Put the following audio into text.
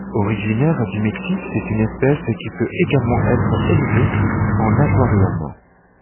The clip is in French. Originaire du Mexique, c'est une espèce qui peut également être élevée en aquarium.